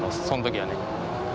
そん時はね。